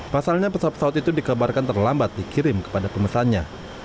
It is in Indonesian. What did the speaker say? pasalnya pesawat pesawat itu dikabarkan terlambat dikirim kepada pemesannya